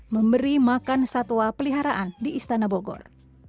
memberi makan satwa peliharaan di istana bogor